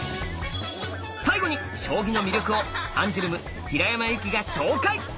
最後に将棋の魅力をアンジュルム平山遊季が紹介！